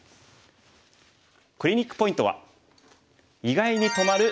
クリニックポイントは。